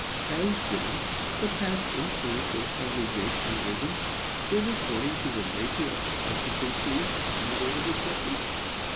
Has, then, the past influence of Congregationalism been according to the nature of the exigency and the weight of the subject?